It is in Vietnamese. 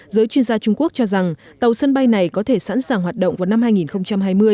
giới chuyên gia trung quốc cho rằng tàu sân bay này có thể sẵn sàng hoạt động vào năm hai nghìn hai mươi